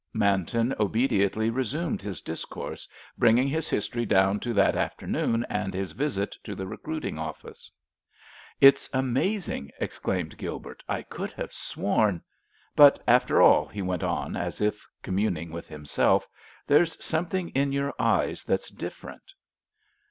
Manton obediently resumed his discourse, bringing his history down to that afternoon and his visit to the recruiting office. "It's amazing!" exclaimed Gilbert. "I could have sworn—— But, after all," he went on, as if communing with himself, "there's something in your eyes that's different."